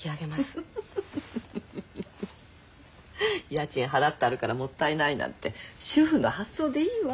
家賃払ってあるからもったいないなんて主婦の発想でいいわ。